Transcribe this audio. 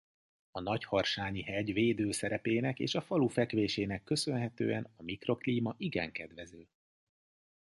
A Nagyharsányi-hegy védő szerepének és a falu fekvésének köszönhetően a mikroklíma igen kedvező.